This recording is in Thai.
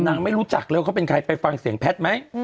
ไม่รู้จักเลยว่าเขาเป็นใครไปฟังเสียงแพทย์ไหม